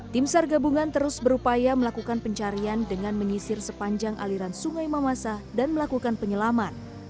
tim sargabungan terus berupaya melakukan pencarian dengan mengisir sepanjang aliran sungai mamasah dan melakukan penyelaman